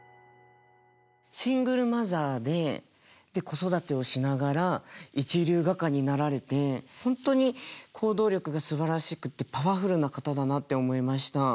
シングルマザーで子育てをしながら一流画家になられて本当に行動力がすばらしくてパワフルな方だなって思いました。